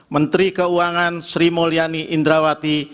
menteri keuangan sri mulyani indrawati